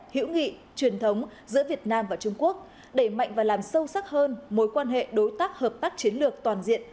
hữu nghị truyền thống giữa việt nam và trung quốc đẩy mạnh và làm sâu sắc hơn mối quan hệ đối tác hợp tác chiến lược toàn diện